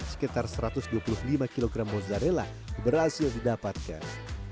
sekitar satu ratus dua puluh lima kg mozzarella berhasil didapatkan